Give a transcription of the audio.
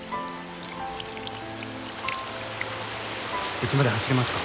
うちまで走れますか？